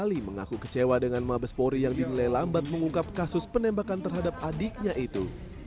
ali mengaku kecewa dengan mabespori yang dinilai lambat mengungkap kasus penembakan terhadap adiknya itu